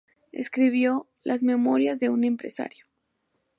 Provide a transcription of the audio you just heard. Escribió "Las Memorias de un empresario".